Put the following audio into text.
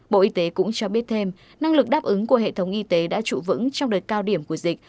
bộ y tế cũng cho biết thêm năng lực đáp ứng của hệ thống y tế đã trụ vững trong đợt cao điểm của dịch